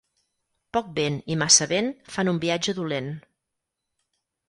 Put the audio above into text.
Poc vent i massa vent fan un viatge dolent.